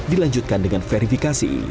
dilanjutkan dengan verifikasi